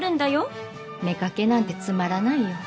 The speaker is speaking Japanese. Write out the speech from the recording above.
妾なんてつまらないよ。